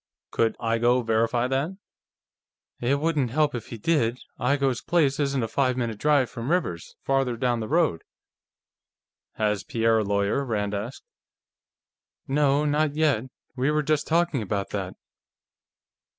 "Could Igoe verify that?" "It wouldn't help if he did. Igoe's place isn't a five minute drive from Rivers's, farther down the road." "Has Pierre a lawyer?" Rand asked. "No. Not yet. We were just talking about that."